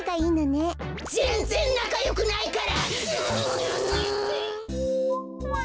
ぜんぜんなかよくないから！